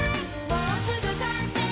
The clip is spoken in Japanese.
もうすぐかんせい！」